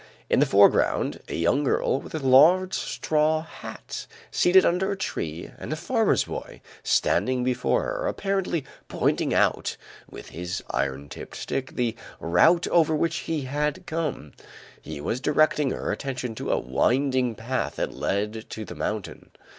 In the foreground, a young girl with a large straw hat, seated under a tree, and a farmer's boy standing before her, apparently pointing out, with his iron tipped stick, the route over which he had come; he was directing her attention to a winding path that led to the mountain.